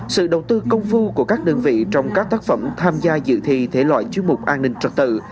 sự đầu tư công phu của các đơn vị trong các tác phẩm tham gia dự thi thể loại chuyên mục an ninh trật tự